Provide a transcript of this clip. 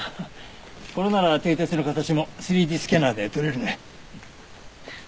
これなら蹄鉄の形も３Ｄスキャナーで撮れるね。